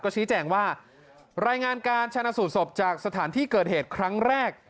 ชี้แจงว่ารายงานการชนะสูตรศพจากสถานที่เกิดเหตุครั้งแรก